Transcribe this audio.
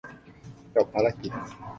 จบภารกิจ